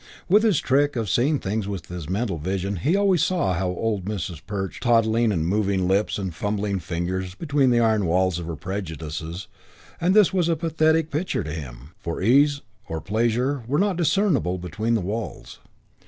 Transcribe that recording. With his trick of seeing things with his mental vision he always saw old Mrs. Perch toddling with moving lips and fumbling fingers between the iron walls of her prejudices, and this was a pathetic picture to him, for ease or pleasure were not discernible between the walls.